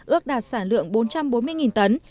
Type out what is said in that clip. ước đạt sản lượng bốn hectare